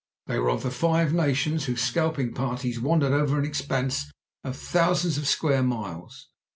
They were of the Five Nations, whose scalping parties wandered over an expanse of thousands of square miles.